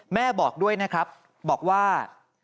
บอกด้วยนะครับบอกว่า